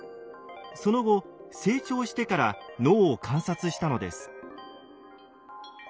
その後成長してから脳を観察したのです。